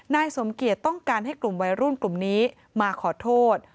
นายสมเกียจต้องการให้กลุ่มวัยรุ่นกลุ่มนี้มาขอโทษ